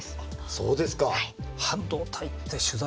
そうですか。